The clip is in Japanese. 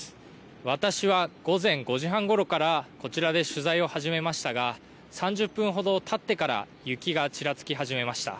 私は午前５時半ごろからこちらで取材を始めましたが３０分ほどたってから雪がちらつき始めました。